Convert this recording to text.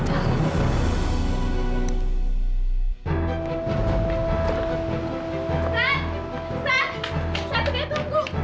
sat sat satu dia tunggu